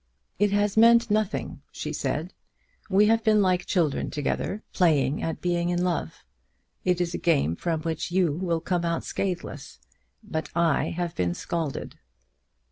"It has meant nothing," she said. "We have been like children together, playing at being in love. It is a game from which you will come out scatheless, but I have been scalded."